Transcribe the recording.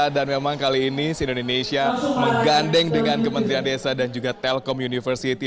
dan memang kali ini cnn indonesia menggandeng dengan kementerian desa dan juga telkom universiti